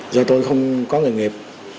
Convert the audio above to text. giờ tôi không có nghề nghiệp